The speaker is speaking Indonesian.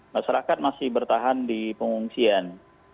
masyarakat masih bertahan di pengungsian